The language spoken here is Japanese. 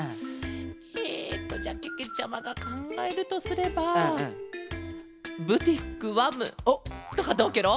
えっとじゃあけけちゃまがかんがえるとすれば「ブティックわむ」とかどうケロ？